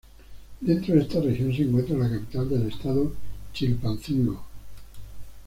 Dentro de esta región se encuentra la capital del estado Chilpancingo.